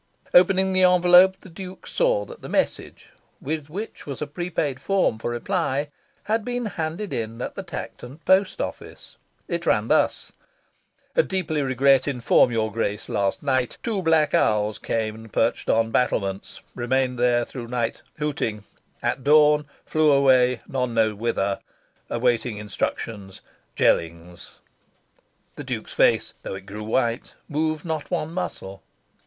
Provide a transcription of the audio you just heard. Opening the envelope, the Duke saw that the message, with which was a prepaid form for reply, had been handed in at the Tankerton post office. It ran thus: Deeply regret inform your grace last night two black owls came and perched on battlements remained there through night hooting at dawn flew away none knows whither awaiting instructions Jellings The Duke's face, though it grew white, moved not one muscle.